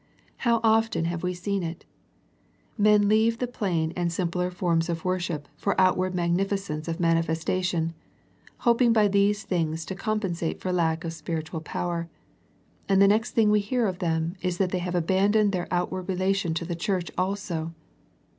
How often have we seen it! Men leave the plain and simpler forms of worship for outward magnificence of manifestation, hoping by these things to com pensate for lack of spiritual power, and the next thing we hear of them is that they have abandoned their outward relation to the Church also.